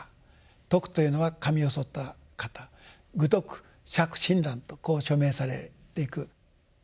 禿というのは髪をそった方「愚禿釈親鸞」とこう署名されていく。